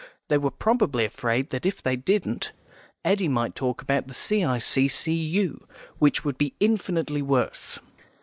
They were probably afraid that if they didn't Eddy might talk about the C.I.C.C.U., which would be infinitely worse.